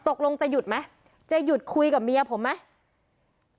ตกลงจะหยุดไหมจะหยุดคุยกับเมียผมไหม